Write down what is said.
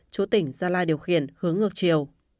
chủ tỉnh gia lai điều khiển hướng ngược chiều